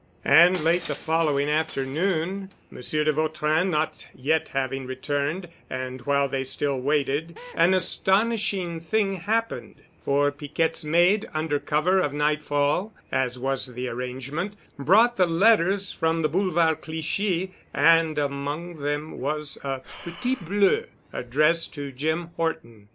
And late the following afternoon, Monsieur de Vautrin not yet having returned, and while they still waited, an astonishing thing happened, for Piquette's maid, under cover of nightfall (as was the arrangement) brought the letters from the Boulevard Clichy, and among them was a Petit Bleu addressed to Jim Horton.